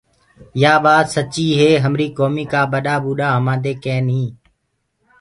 يآ ٻآت سچيٚ هي همريٚ ڪوميٚ ڪآ ٻڏآ ٻوٚڏآ همانٚدي ڪينيٚ۔